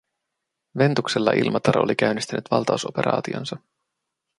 Ventuksella Ilmatar oli käynnistänyt valtausoperaationsa.